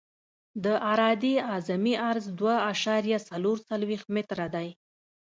د عرادې اعظمي عرض دوه اعشاریه څلور څلویښت متره دی